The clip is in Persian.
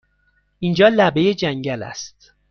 اینجا لبه جنگل است!